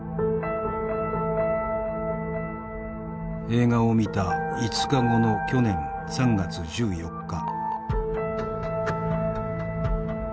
映画を見た５日後の去年３月１４日。